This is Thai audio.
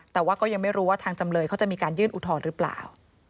แต่ว่าก็ยังไม่รู้ว่าทางจำเลยเขาจะมีการยื่นอุทธรณ์หรือเปล่า